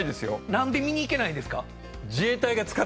何で見に行けないんですか？